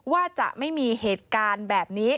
ว่าจะไม่มีเหตุการณ์แบบนี้